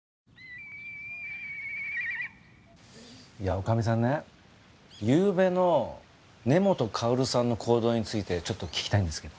女将さんねゆうべの根本かおるさんの行動についてちょっと聞きたいんですけど。